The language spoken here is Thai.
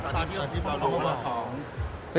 ตอนที่เรารู้ว่าท้อง